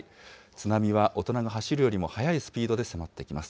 津波は大人が走るよりも速いスピードで迫ってきます。